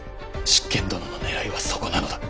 執権殿のねらいはそこなのだ。